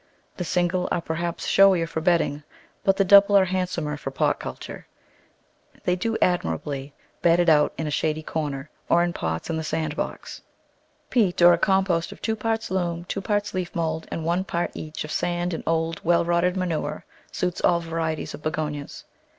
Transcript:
The single are perhaps showier for bedding, but the double are handsomer for pot culture. They do admirably bedded out in a shady corner, or in pots in the sand box. Peat, or a compost of two parts loam, two parts leaf mould, and one part each of sand and old, well rotted manure suits all varieties of Begonias.